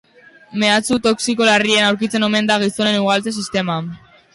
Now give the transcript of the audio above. Mehatxu toxiko larrian aurkitzen omen da gizonen ugaltze sistema.